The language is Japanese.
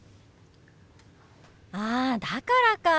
あだからか！